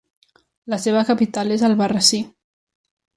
La seva capital és Albarrasí.